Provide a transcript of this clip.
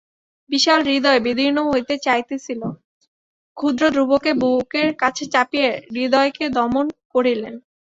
বিশাল হৃদয় বিদীর্ণ হইতে চাহিতেছিল, ক্ষুদ্র ধ্রুবকে বুকের কাছে চাপিয়া হৃদয়কে দমন করিলেন।